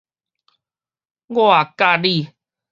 我佮你